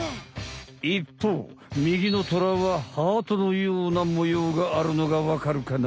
いっぽうみぎのトラはハートのような模様があるのがわかるかな？